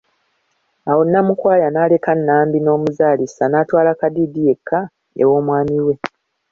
Awo Namukwaya n'aleka Nambi n'omuzaalisa, n'atwala Kadiidi yekka ew'omwami we.